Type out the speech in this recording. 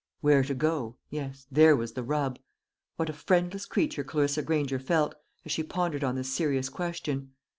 Where to go? yes, there was the rub. What a friendless creature Clarissa Granger felt, as she pondered on this serious question!